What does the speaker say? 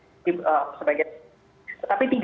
dan ini secara sporadis berjadi di banyak provinsi